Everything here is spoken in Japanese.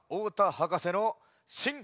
はかせのしん